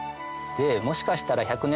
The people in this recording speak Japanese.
もしかしたら。